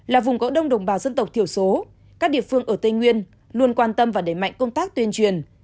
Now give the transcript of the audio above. là vùng có đông đồng bào dân tộc thiểu số các địa phương ở tây nguyên luôn quan tâm và đẩy mạnh công tác tuyên truyền